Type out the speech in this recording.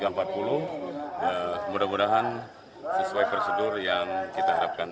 mudah mudahan sesuai prosedur yang kita harapkan